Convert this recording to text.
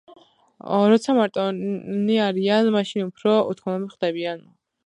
როცა მარტონი არიან, მაშინ უფრო უთქმელნი ხდებიან